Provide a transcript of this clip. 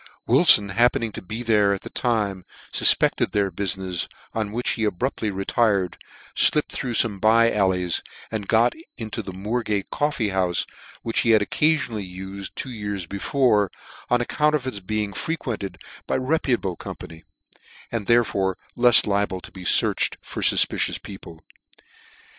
Wilfon happening to be there at the time, fufpected their buiinefs, on' wjhich lie abruptly retired, flipped through fome bye allies, and got into the Moorgate corFee houfe, which he had occafionally uled for two years before, on account of its being frequented by reputable company, and therefore lefs liable to be fearched for fufpicious people.